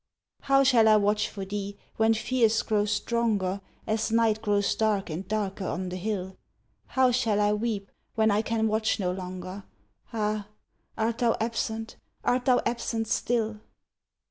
How shall I watch for thee, when fears grow stronger, As night grows dark and darker on the hill! How shall I weep, when I can watch no longer! Ah! art thou absent, art thou absent still?